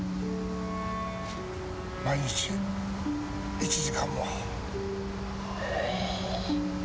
毎日１時間も。えっ？